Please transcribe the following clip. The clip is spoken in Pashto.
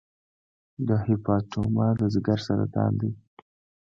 د هیپاټوما د ځګر سرطان دی.